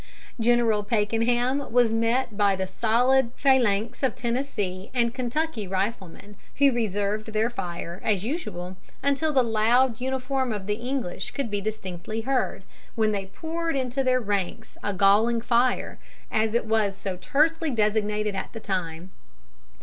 General Pakenham was met by the solid phalanx of Tennessee and Kentucky riflemen, who reserved their fire, as usual, until the loud uniform of the English could be distinctly heard, when they poured into their ranks a galling fire, as it was so tersely designated at the time.